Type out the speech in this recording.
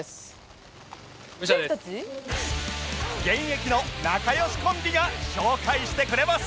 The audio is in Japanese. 現役の仲良しコンビが紹介してくれます